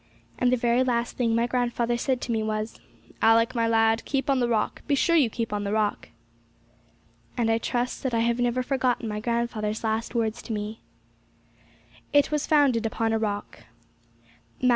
And the very last thing my grandfather said to me was, 'Alick, my lad, keep on the Rock be sure you keep on the Rock!' And I trust that I have never forgotten my grandfather's last words to me. 'It was founded upon a rock.' MATT.